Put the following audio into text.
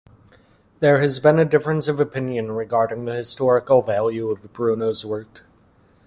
There has been a difference of opinion regarding the historical value of Bruno's work.